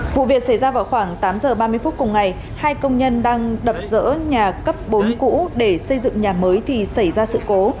vụ việc xảy ra vào khoảng tám giờ ba mươi phút cùng ngày hai công nhân đang đập dỡ nhà cấp bốn cũ để xây dựng nhà mới thì xảy ra sự cố